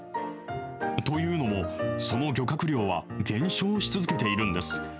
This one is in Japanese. というのも、その漁獲量は減少し続けているんです。